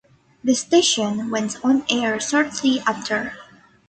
The station went on air shortly after.